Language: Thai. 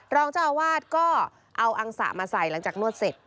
รองเจ้าอาวาสก็เอาอังสะมาใส่หลังจากนวดเสร็จ